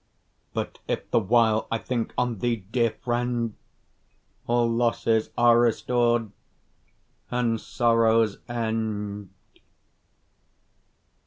But if the while I think on thee, dear friend, All losses are restor'd and sorrows end.